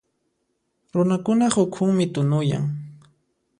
Runakunaq ukhunmi tunuyan.